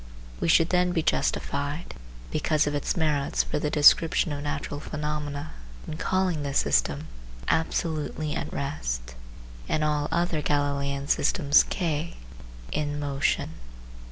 We should then be justified (because of its merits for the description of natural phenomena) in calling this system " absolutely at rest," and all other Galileian systems K " in motion."